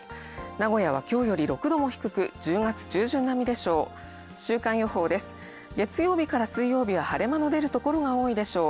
名古屋は今日より６度も低く、１０月中旬並みでしょう。